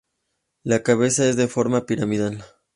La cabeza es de forma piramidal.